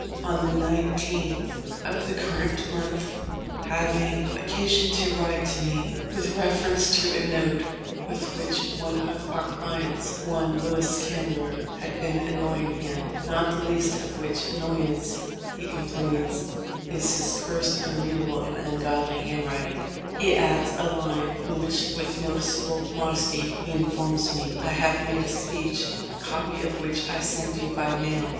On the 19th inst., having occasion to write me with reference to a note with which one of our clients, one Louis Candler, had been "annoying" him, "not the least of which annoyance," he complains, "is his cursed unreadable and ungodly handwrit ing," he adds a line, in which with noticeable mod esty he informs me : "I have made a speech, a copy of which I send you by mail."